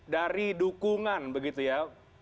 dari dukungan begitu ya